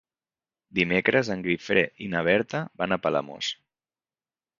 Dimecres en Guifré i na Berta van a Palamós.